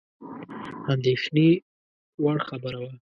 اندېښني وړ خبره وه.